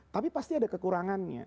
tapi pasti ada kekurangannya